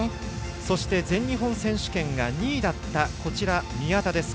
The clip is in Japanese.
そして、全日本選手権２位だった宮田です。